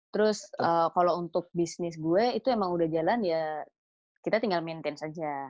terus kalau untuk bisnis gue itu emang udah jalan ya kita tinggal maintain saja